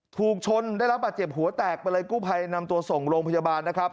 ถูกชนได้รับบาดเจ็บหัวแตกไปเลยกู้ภัยนำตัวส่งโรงพยาบาลนะครับ